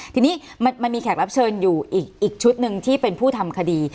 ทีนี้มันมีแขกรับเชิญอยู่อีกชุดหนึ่งที่เป็นผู้ทำคดี